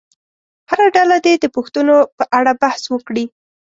هره ډله دې د پوښتنو په اړه بحث وکړي.